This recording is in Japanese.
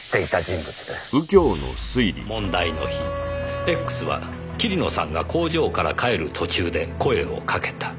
問題の日Ｘは桐野さんが工場から帰る途中で声をかけた。